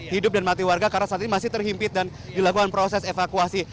hidup dan mati warga karena saat ini masih terhimpit dan dilakukan proses evakuasi